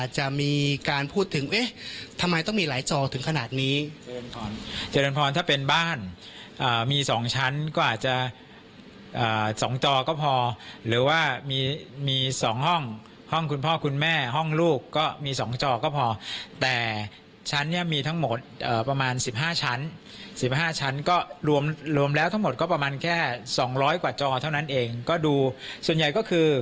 จะมีการพูดถึงเอ๊ะทำไมต้องมีหลายจอถึงขนาดนี้เจริญพรถ้าเป็นบ้านมี๒ชั้นก็อาจจะ๒จอก็พอหรือว่ามี๒ห้องห้องคุณพ่อคุณแม่ห้องลูกก็มี๒จอก็พอแต่ชั้นเนี่ยมีทั้งหมดประมาณ๑๕ชั้น๑๕ชั้นก็รวมแล้วทั้งหมดก็ประมาณแค่๒๐๐กว่าจอเท่านั้นเองก็ดูส่วนใหญ่ก็คือ